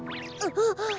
あっ。